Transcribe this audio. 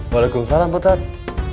waalaikumsalam pak ustadz